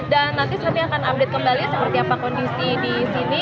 dan nanti kami akan update kembali seperti apa kondisi di sini